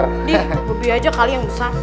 dih bobby aja kali yang besar